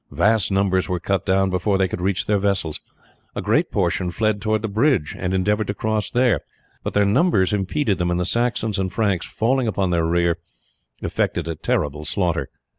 Vast numbers were cut down before they could reach their vessels. A great portion fled towards the bridge and endeavoured to cross there; but their numbers impeded them, and the Saxons and Franks, falling upon their rear, effected a terrible slaughter.